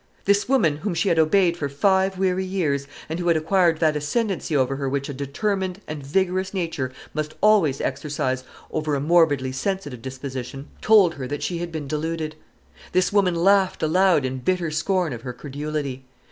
This woman, whom she had obeyed for five weary years, and who had acquired that ascendancy over her which a determined and vigorous nature must always exercise over a morbidly sensitive disposition, told her that she had been deluded. This woman laughed aloud in bitter scorn of her credulity.